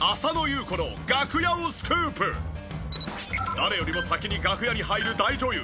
誰よりも先に楽屋に入る大女優。